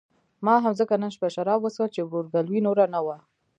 ما هم ځکه نن شپه شراب وڅښل چې ورورګلوي نوره نه وه.